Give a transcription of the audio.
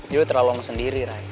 jadi terlalu ama sendiri rai